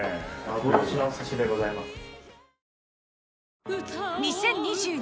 幻のお寿司でございます。